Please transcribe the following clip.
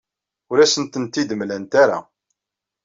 Ur asen-tent-id-mlant ara.